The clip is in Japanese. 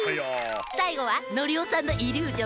さいごはノリオさんのイリュージョン！